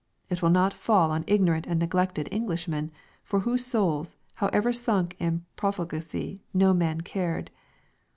It will not fall on ignorant and neglected Englishmen, for whose souls, however sunk in profligacy, no man cared.